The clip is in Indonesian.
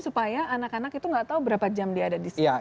supaya anak anak itu nggak tahu berapa jam dia ada di sini